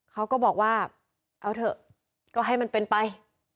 เขาก็บอกว่าเอาเถอะก็ให้มันเป็นไป